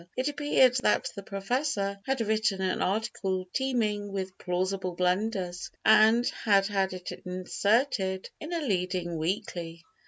It appeared that the Professor had written an article teeming with plausible blunders, and had had it inserted in a leading weekly.